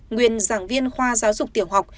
nguyên giảng viên khoa giáo dục tiểu học